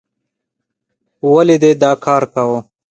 ولې دې دا کار کوو؟